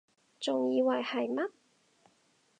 仲以為係乜????